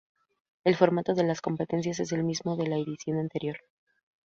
El formato de la competencia es el mismo de la edición anterior.